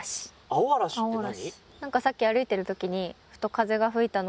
青嵐って何？